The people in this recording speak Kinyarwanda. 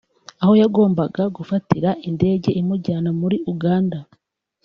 aho yagombaga gufatira indege imujyana muri Uganda